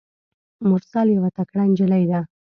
مرسل یوه تکړه نجلۍ ده.